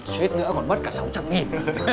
xuyết nữa còn mất cả sáu trăm linh nghìn